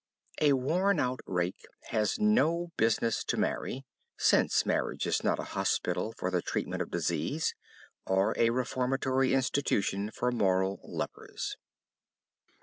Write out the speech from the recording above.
A worn out rake has no business to marry, since marriage is not a hospital for the treatment of disease, or a reformatory institution for moral lepers.